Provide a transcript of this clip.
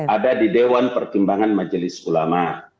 ada di dewan pertimbangan majelis ulama